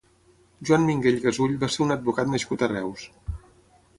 Joan Minguell Gasull va ser un advocat nascut a Reus.